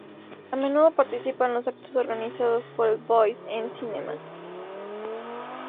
A menudo participa en los actos organizados por el Boys and Cinema.